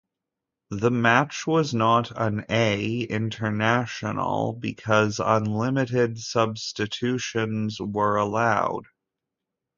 The match was not an 'A' international because unlimited substitutions were allowed.